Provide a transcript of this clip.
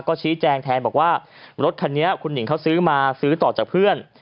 ก็ชี้แจงแทนบอกว่ารถคันนี้คุณหนิงเขาซื้อมาซื้อต่อจากเพื่อน